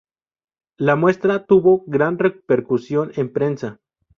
La muestra tuvo gran repercusión en prensa.